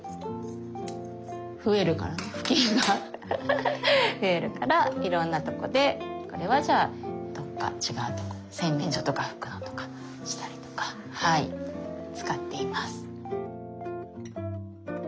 増えるからいろんなとこでこれはじゃあどっか違うとこ洗面所とか拭くのとかしたりとかはい使っています。